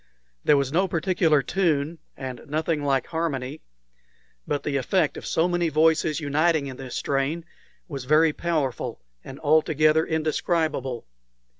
There was no particular tune, and nothing like harmony; but the effect of so many voices uniting in this strain was very powerful and altogether indescribable.